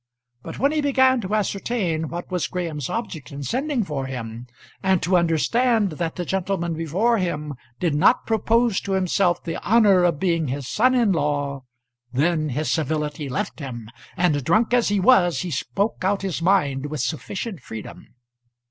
But when he began to ascertain what was Graham's object in sending for him, and to understand that the gentleman before him did not propose to himself the honour of being his son in law, then his civility left him, and, drunk as he was, he spoke out his mind with sufficient freedom.